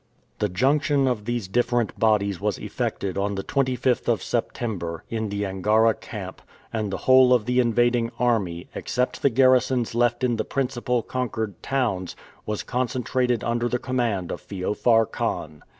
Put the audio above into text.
The junction of these different bodies was effected on the 25th of September, in the Angara camp, and the whole of the invading army, except the garrisons left in the principal conquered towns, was concentrated under the command of Feofar Khan.